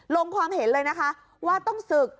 ลงความเห็นเลยนะคะว่าต้องศึก